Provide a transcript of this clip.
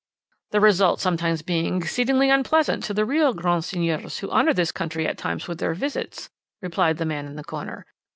"The result sometimes being exceedingly unpleasant to the real grands seigneurs who honour this country at times with their visits," replied the man in the corner.